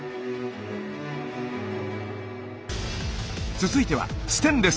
続いてはステンレス。